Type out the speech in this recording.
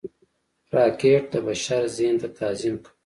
راکټ د بشر ذهن ته تعظیم کوي